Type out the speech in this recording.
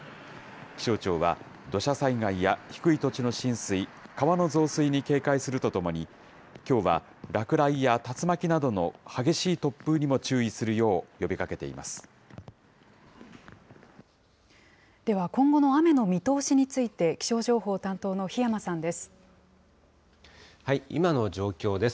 気象庁は、土砂災害や低い土地の浸水、川の増水に警戒するとともに、きょうは落雷や竜巻などの激しい突風にも注意するよう呼びかけてでは、今後の雨の見通しについて、気象情報担当の檜山さんです。